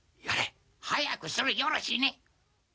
やれ！早くするよろしね！